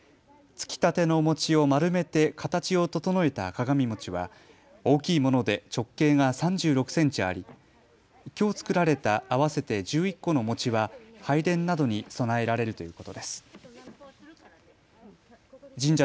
つきたての餅を丸めて形を整えた鏡餅は大きいもので直径が３６センチありきょう作られた合わせて１１個の餅は拝殿などに供えられるということです。